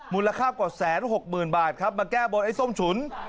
มูลค่ากว่า๑๖๐๐๐บาทครับมาแก้บนไอ้ส้มฉุน